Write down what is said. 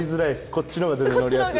こっちのほうが全然乗りやすい。